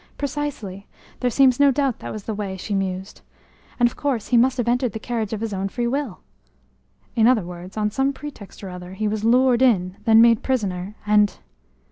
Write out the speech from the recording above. Precisely! There seems no doubt that was the way," she mused. "And, of course, he must have entered the carriage of his own free will?" "In other words, on some pretext or other, he was lured in, then made prisoner, and